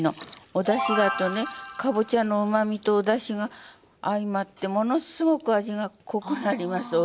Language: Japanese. おだしだとねかぼちゃのうまみとおだしが相まってものすごく味が濃くなりますおいしさが。